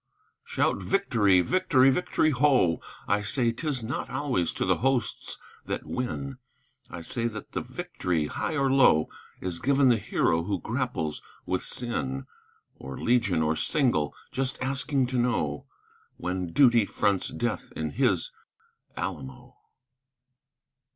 Shout "Victory, victory, victory ho!" I say 'tis not always to the hosts that win! I say that the victory, high or low, Is given the hero who grapples with sin, Or legion or single; just asking to know When duty fronts death in his Alamo.